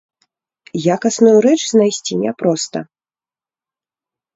Якасную рэч знайсці няпроста.